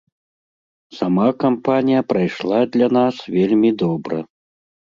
Сама кампанія прайшла для нас вельмі добра.